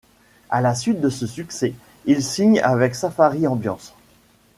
À la suite de ce succès, il signe avec Safari Ambiance.